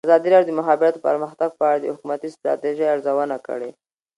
ازادي راډیو د د مخابراتو پرمختګ په اړه د حکومتي ستراتیژۍ ارزونه کړې.